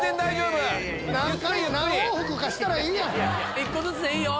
１個ずつでいいよ。